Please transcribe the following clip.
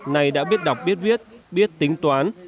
này đã biết đọc biết viết biết tính toán